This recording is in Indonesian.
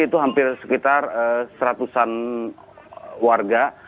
itu hampir sekitar seratusan warga